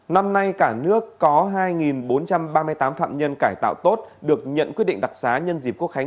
năm nay cả nước có hai bốn trăm ba mươi tám phạm nhân cải tạo tốt được nhận quyết định đặc xá nhân dịp quốc khánh